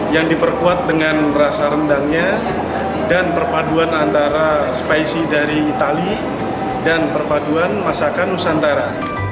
yang diperkuat dengan rasa rendangnya dan perpaduan antara spacey dari itali dan perpaduan masakan nusantara